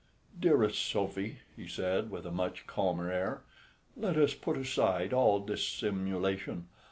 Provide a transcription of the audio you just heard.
"Dearest Sophy," he said, with a much calmer air, "let us put aside all dissimulation.